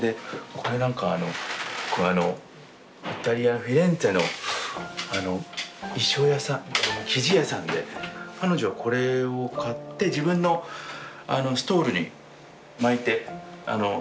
これなんかイタリアフィレンツェの衣装屋さん生地屋さんで彼女はこれを買って自分のストールに巻いて使ってたんですね。